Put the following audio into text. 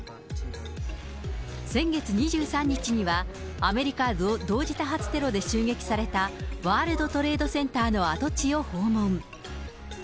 先月２３日には、アメリカ同時多発テロで襲撃された、ワールドトレードセンターの跡地を訪問。